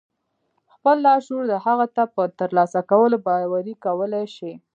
خپل لاشعور د هغه څه په ترلاسه کولو باوري کولای شئ.